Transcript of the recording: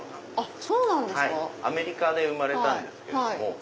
アメリカで生まれたんですけれども。